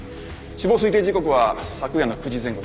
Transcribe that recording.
死亡推定時刻は昨夜の９時前後です。